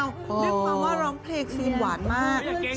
นึกมาว่าร้องเพลงซีนหวานมาก